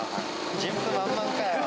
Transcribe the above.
順風満帆かよ。